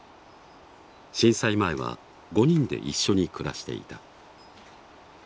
震災前は５人で一緒に暮らしていた。